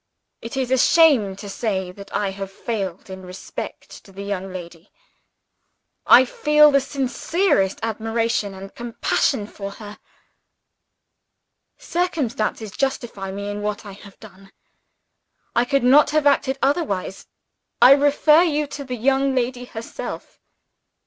"It is a shame to say that I have failed in respect to the young lady! I feel the sincerest admiration and compassion for her. Circumstances justify me in what I have done; I could not have acted otherwise. I refer you to the young lady herself."